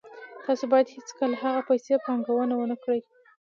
تاسو باید هیڅکله هغه پیسې پانګونه ونه کړئ